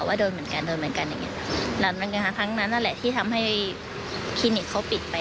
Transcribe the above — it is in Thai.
ว่าโดยเหมือนการโดยเหมือนกันนะแล้วทั้งที่ทำให้คลินิกเขาปิดไป